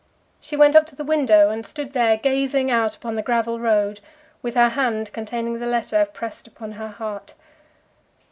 She went up to the window and stood there gazing out upon the gravel road, with her hand containing the letter pressed upon her heart.